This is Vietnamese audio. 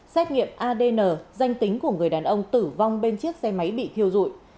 xét nghiệm adn danh tính của người đàn ông tử vong bên chiếc xe máy bị thiêu dụi